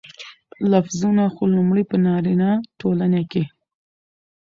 لفظونه خو لومړى په نارينه ټولنه کې